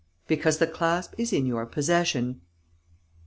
"Because the clasp is in your possession."